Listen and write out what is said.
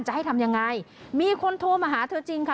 จะให้ทำยังไงมีคนโทรมาหาเธอจริงค่ะ